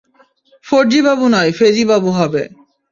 ফর্জি বাবু নয় ফেজি বাবু হবে!